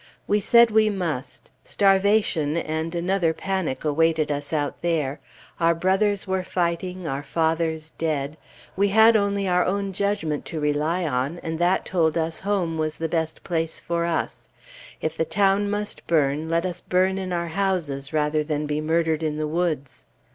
We said we must; starvation, and another panic awaited us out there, our brothers were fighting, our fathers dead; we had only our own judgment to rely on, and that told us home was the best place for us; if the town must burn, let us burn in our houses, rather than be murdered in the woods.